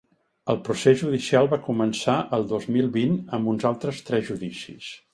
El procés judicial va començar el dos mil vint amb uns altres tres judicis.